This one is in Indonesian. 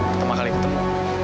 pertama kali ketemu